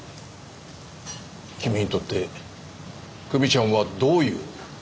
君にとって久美ちゃんはどういう。